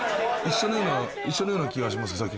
一緒のような気がしますね。